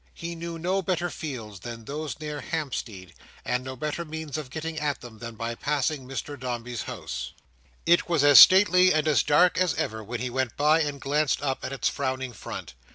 He knew no better fields than those near Hampstead, and no better means of getting at them than by passing Mr Dombey's house. It was as stately and as dark as ever, when he went by and glanced up at its frowning front.